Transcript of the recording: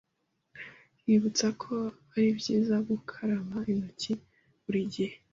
yibutsa ko ari byiza gukaraba intoki buri gihe,